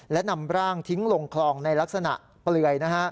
และนำร่างทิ้งลงคลองในลักษณะเปลือย